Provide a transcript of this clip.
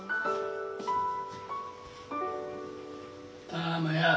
タマや。